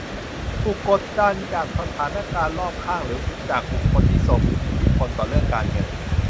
ถูกกดดันจากสถานการณ์รอบข้างหรือจากบุคคลที่ส่งอิทธิพลต่อเรื่องการเงิน